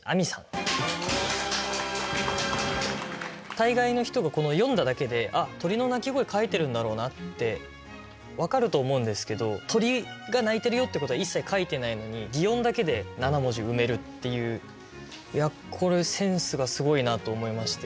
大概の人が読んだだけでああ鳥の鳴き声書いてるんだろうなって分かると思うんですけど鳥が鳴いてるよっていうことは一切書いてないのに擬音だけで７文字埋めるっていうセンスがすごいなと思いまして。